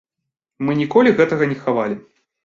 Мы ніколі гэтага не хавалі.